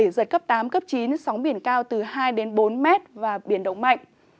giật cấp tám chín sóng biển cao từ hai bốn m và biển động mạnh